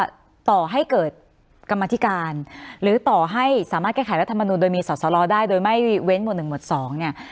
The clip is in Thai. ต่อให้เกิดกรรมธิการหรือต่อให้สามารถแก้ไขรัฐมนุนโดยมีสอสลอได้โดยไม่เว้นหมวดหนึ่งหมวดสองเนี่ย